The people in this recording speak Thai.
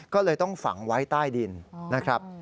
ก็เลยต้องฝังไว้ใต้ดินนะครับ